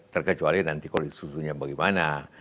terkecuali nanti kalau susunya bagaimana